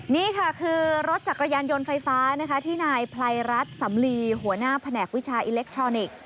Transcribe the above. นี่ค่ะคือรถจักรยานยนต์ไฟฟ้านะคะที่นายไพรรัฐสำลีหัวหน้าแผนกวิชาอิเล็กทรอนิกส์